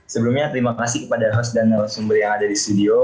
sebelumnya terima kasih kepada host dan narasumber yang ada di studio